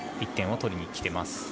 １点を取りにきています。